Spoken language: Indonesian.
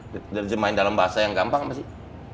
menerjemahkan dalam bahasa yang gampang apa sih